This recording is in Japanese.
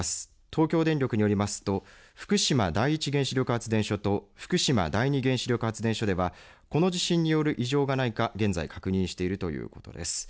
東京電力によりますと福島第一原子力発電所と福島第二原子力発電所ではこの地震による異常がないか現在、確認しているということです。